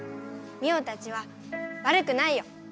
ミオたちはわるくないよ。